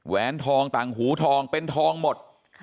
แหนทองต่างหูทองเป็นทองหมด